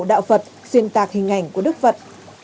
đạo phật xuyên tạc hình ảnh của đức phật